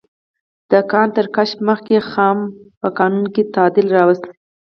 د کان تر کشف مخکې خاما په قانون کې تعدیل راوست.